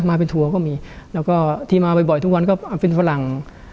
มาเป็นทัวร์ก็มีแล้วก็ที่มาบ่อยทุกวันก็เป็นฝรั่ง